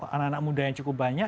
anak anak muda yang cukup banyak